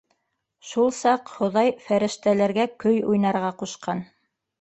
Шул саҡ Хоҙай фәрештәләргә көй уйнарға ҡушҡан.